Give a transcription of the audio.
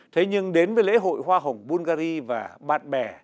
thế nhưng đến với lễ hội hoa hồng bulgari và bạn bè